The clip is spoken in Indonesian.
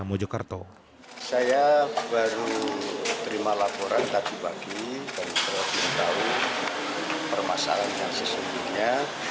saya baru terima laporan tadi pagi dan saya belum tahu permasalahan yang sesungguhnya